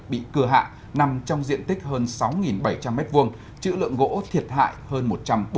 bị cửa hạ nằm trong diện tích hơn sáu bảy trăm linh m hai chữ lượng gỗ thiệt hại hơn một trăm bốn mươi m ba